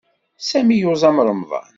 Sami yuẓam Remḍan.